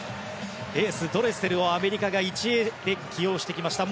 エース、ドレセルをアメリカが１泳で起用してきました。